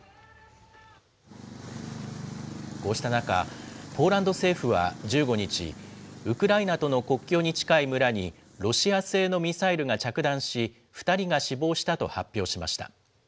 こうした中、ポーランド政府は１５日、ウクライナとの国境に近い村に、ロシア製のミサイルが着弾し、２人が死亡したと発表しました。